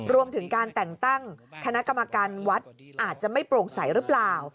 รวมถึงการแต่งตั้งคณะกรรมการวัดอาจจะไม่โปร่งใสหรือเปล่า